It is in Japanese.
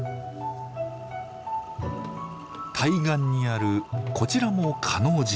対岸にあるこちらも叶神社。